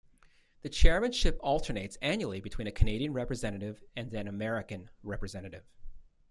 The chairmanship alternates annually between a Canadian representative and an American representative.